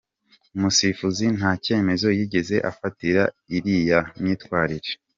Umusifuzi nta cyemezo yigeze afatira iriya myitwarire.